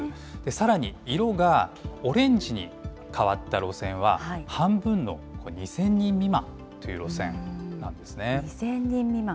さらに、色がオレンジに変わった路線は、半分の２０００人未満と２０００人未満。